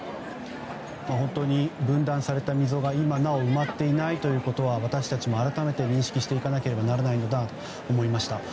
本当に分断された溝が今なお埋まっていないということは私たちも改めて認識していかなければならないのだと思いました。